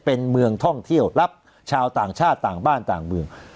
เป็นเมืองท่องเที่ยวรับชาวต่างชาติต่างบ้านต่างเมือง